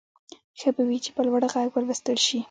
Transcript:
ښه به وي چې په لوړ غږ ولوستل شي.